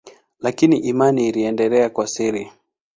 Lakini imani iliendelea kwa siri.